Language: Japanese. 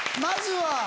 まずは。